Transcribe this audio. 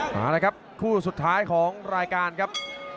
มาเลยครับคู่สุดท้ายของรายการครับ